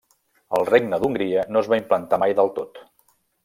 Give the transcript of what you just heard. Al Regne d'Hongria no es va implantar mai del tot.